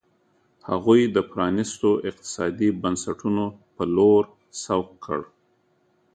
هغوی د پرانیستو اقتصادي بنسټونو په لور سوق کړ.